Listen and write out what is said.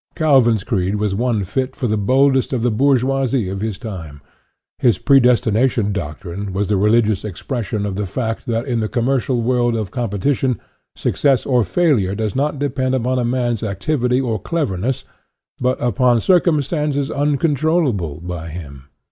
Calvin's creed was one fit for the boldest of the bourgeoisie of his time. His predestination doc trine was the religious expression of the fact that in the commercial world of competition suc cess or failure does not depend upon a man's activity or cleverness, but upon circumstances uncontrollable by him.